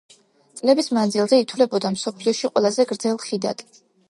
წლების მანძილზე ითვლებოდა მსოფლიოში ყველაზე გრძელ ხიდად.